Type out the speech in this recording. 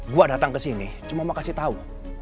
gue datang ke sini cuma mau kasih tahu